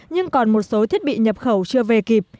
nhưng còn một số thiết bị nhập khẩu chưa về kịp